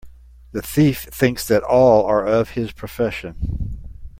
The thief thinks that all are of his profession.